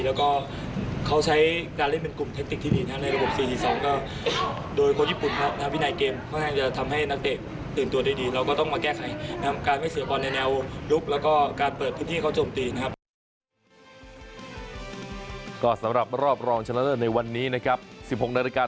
แล้วก็เค้าใช้การเล่นเป็นกลุ่มเทกติกที่ดีนะครับในระบบ๔๒ก็โดยคนญี่ปุ่นครับวินัยเกม